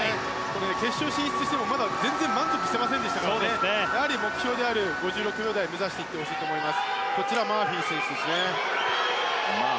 決勝進出しても全然満足してませんでしたからやはり目標である５６秒台を目指してほしいと思います。